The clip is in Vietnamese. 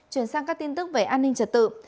chuyển sang các tin tức về an ninh trật tự